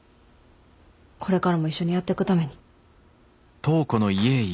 これからも一緒にやってくために。